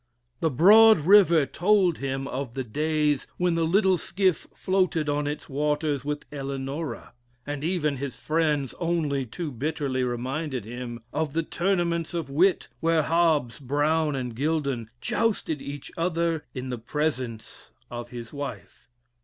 The broad river told him of the days when the little skiff floated on its waters with Eleanora; and even his friends only too bitterly reminded him of the tournaments of wit where Hobbes, Brown, and Gildon, jousted each other in the presence of his wife.